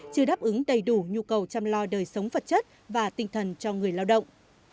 chưa đáp ứng đầy đủ nhu cầu chăm lo đời sống vật chất và tinh thần cho người lao động